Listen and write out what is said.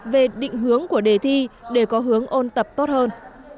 về định hướng của đề thi để có hướng ôn tập tốt hơn